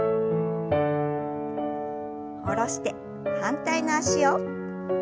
下ろして反対の脚を。